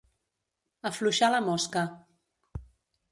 Afluixar la mosca.